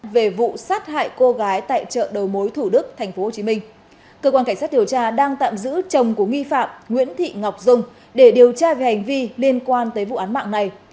về vụ sát hại cô gái tại chợ đầu mối thủ đức tp hcm cơ quan cảnh sát điều tra đang tạm giữ chồng của nghi phạm nguyễn thị ngọc dung để điều tra về hành vi liên quan tới vụ án mạng này